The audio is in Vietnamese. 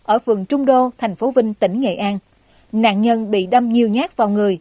ở phường trung đô thành phố vinh tỉnh nghệ an nạn nhân bị đâm nhiều nhát vào người